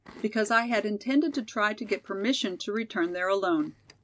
Because I had intended to try to get permission to return there alone.